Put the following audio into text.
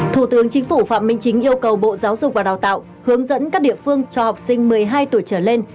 thủ tướng chính phủ phạm minh chính yêu cầu bộ giáo dục và đào tạo hướng dẫn các địa phương cho học sinh một mươi hai tuổi trở lên